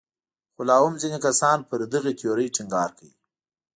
خو لا هم ځینې کسان پر دغې تیورۍ ټینګار کوي.